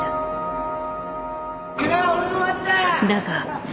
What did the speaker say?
だが。